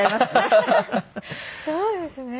そうですね。